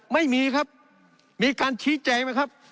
ไม่มีครับมีการชี้แจงไหมครับ